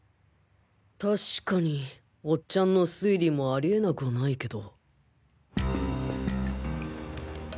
確かにおっちゃんの推理もありえなくはないけど